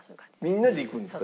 みんなで行くんですか？